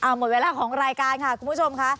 หมดเวลาของรายการค่ะคุณผู้ชมค่ะ